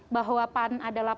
bahwa pan adalah